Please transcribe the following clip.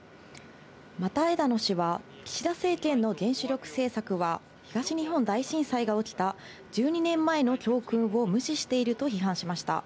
また、枝野氏は、岸田政権の原子力政策は、東日本大震災が起きた１２年前の教訓を無視していると批判しました。